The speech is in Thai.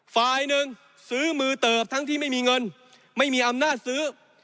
ฝ่ายหนึ่งซื้อมือเติบทั้งที่ไม่มีเงินไม่มีอำนาจซื้อ